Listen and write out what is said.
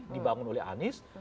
dibangun oleh anis